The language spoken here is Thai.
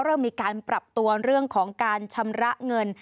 เริ่มมีการปรับตัวเรื่องของการชำระเงิน